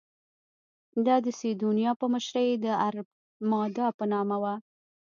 دا د سیدونیا په مشرۍ د ارمادا په نامه وه.